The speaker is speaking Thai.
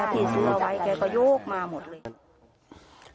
ที่ซื้อเอาไว้แกก็โยกมาหมดเลยครับ